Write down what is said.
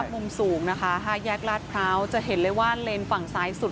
มุมสูงนะคะ๕แยกลาดพร้าวจะเห็นเลยว่าเลนส์ฝั่งซ้ายสุด